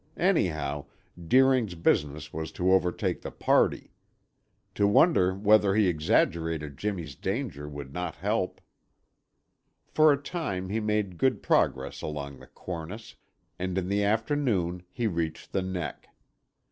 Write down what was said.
Anyhow, Deering's business was to overtake the party. To wonder whether he exaggerated Jimmy's danger would not help. For a time he made good progress along the cornice, and in the afternoon he reached the neck.